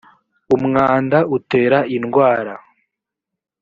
umwanda utera indwara.